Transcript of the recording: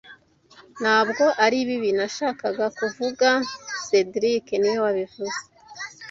Ntabwo aribi nashakaga kuvuga cedric niwe wabivuze